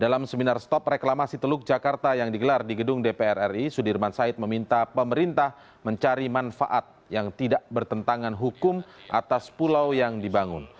dalam seminar stop reklamasi teluk jakarta yang digelar di gedung dpr ri sudirman said meminta pemerintah mencari manfaat yang tidak bertentangan hukum atas pulau yang dibangun